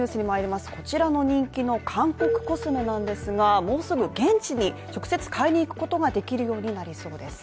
こちらの人気の韓国コスメなんですがもうすぐ現地に直接買いに行くことができるようになりそうです。